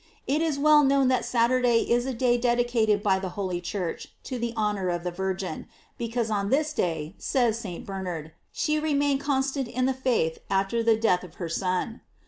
It is well known that Saturday is a day dedicated by the holy Church to the honor of the Virgin, because on this day, says St. Bernard, she remained con stant in the faith after the death of her Son.